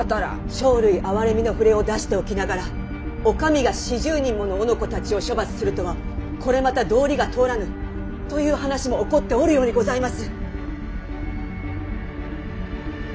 生類憐みの触れを出しておきながらお上が四十人もの男子たちを処罰するとはこれまた道理が通らぬという話も起こっておるようにございます！